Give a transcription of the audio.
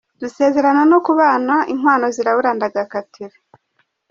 Dusezerana no kubana Inkwano zirabura, ndagakatira.